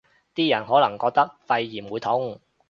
啲人可能覺得肺炎會痛